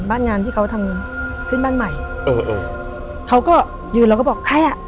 บ้านงานที่เขาทำขึ้นบ้านใหม่เออเออเขาก็ยืนแล้วก็บอกใครอ่ะ